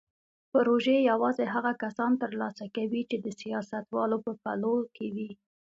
پروژې یوازې هغه کسان ترلاسه کوي چې د سیاستوالو په پلو کې وي.